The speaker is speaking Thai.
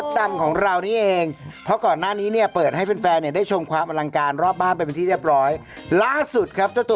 แต่ไอ้ไม่กี่คนมันไปไหนก็มาหรือเปล่า